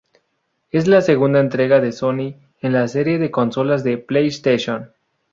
Es la segunda entrega de Sony en la serie de consolas de PlayStation.